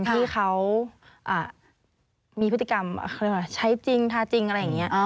ที่เขามีพฤติกรรมใช้จริงทาจริงอะไรอย่างนี้